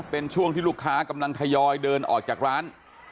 เป็นช่วงที่ลูกค้ากำลังทยอยเดินออกจากร้าน